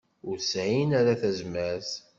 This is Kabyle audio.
Ur sɛin ara tazmert.